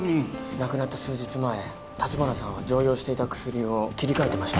亡くなった数日前橘さんは常用していた薬を切り替えてました